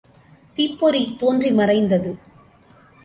தீப்பொறி தோன்றி மறைந்தது.